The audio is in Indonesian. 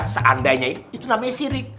seandainya itu namanya cirit